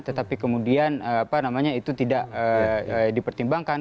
tetapi kemudian apa namanya itu tidak dipertimbangkan